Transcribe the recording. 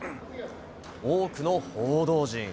多くの報道陣。